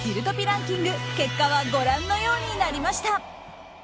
ランキング結果は、ご覧のようになりました。